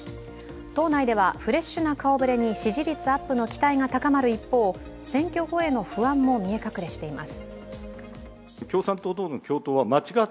党内ではフレッシュな顔ぶれに支持率アップの期待が高まる一方、選挙後への不安も見え隠れしています。